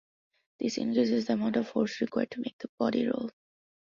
This increases the amount of force required to make the body roll.